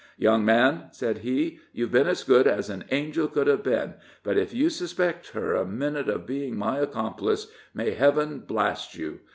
"Young man," said he, "you've been as good as an angel could have been, but if you suspect her a minute of being my accomplice, may heaven blast you!